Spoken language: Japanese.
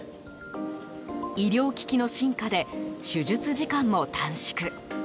医療機器の進化で手術時間も短縮。